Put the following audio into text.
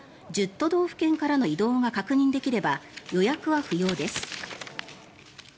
都道府県からの移動が確認できれば予約は不要です。